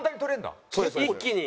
一気に？